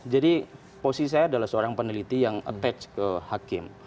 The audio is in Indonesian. jadi posisi saya adalah seorang peneliti yang terhubung ke hakim